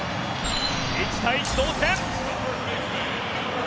１対１、同点！